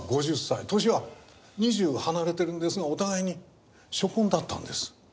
年は２０離れてるんですがお互いに初婚だったんです。